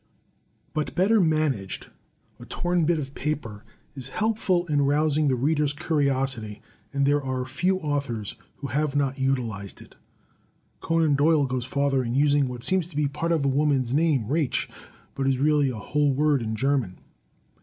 But, better managed, a torn bit of paper is helpful in rous ing the reader's curiosity and there are few authors who have not utilized it. Conan Doyle goes farther, in using what seems to be part of a woman's name, "Rache," but is really a whole word in German.